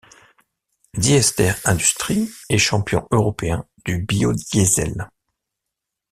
Diester Industrie est champion européen du biodiesel.